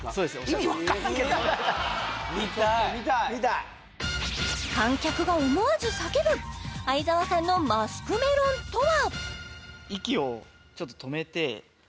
意味わからんけど観客が思わず叫ぶ相澤さんのマスクメロンとは？